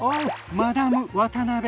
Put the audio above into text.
マダム渡辺。